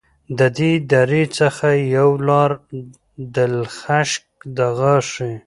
د دې درې څخه یوه لاره دلخشک دغاښي